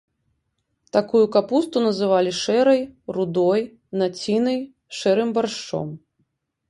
Такую капусту называлі шэрай, рудой, націнай, шэрым баршчом.